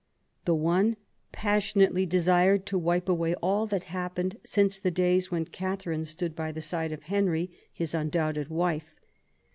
The one passionately Mesired to wipe away all that happened since the days when Catherine stood by the side of Henry, his 22 QUEEN ELIZABETH. undoubted wife.